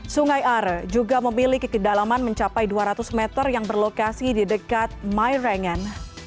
sungai are juga memiliki kedalaman mencapai dua ratus meter yang berlokasi di dekat myrangen